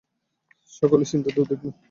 সকলেই চিন্তিত, উদ্বিগ্ন।